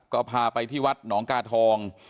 ก็พาไปที่วัดหนองกาทอง